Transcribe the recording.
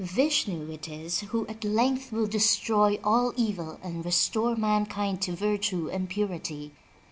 Vishnu it is who at length will destroy all evil and restore mankind to virtue and purity.